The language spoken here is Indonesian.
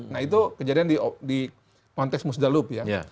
nah itu kejadian di kontes musdalub ya